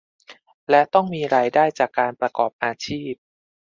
และต้องมีรายได้จากการประกอบอาชีพ